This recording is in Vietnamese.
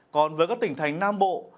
còn với các tỉnh thành nam bộ